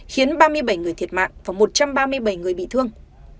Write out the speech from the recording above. khiến ba mươi bảy người thiệt mạng và một trăm ba mươi bảy người bị thương